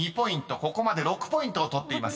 ここまで６ポイントを取っています］